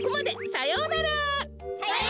さようなら！